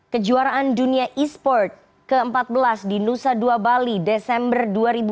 kejuaraan dunia e sport ke empat belas di nusa dua bali desember dua ribu dua puluh